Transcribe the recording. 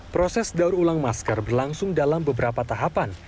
proses daur ulang masker berlangsung dalam beberapa tahapan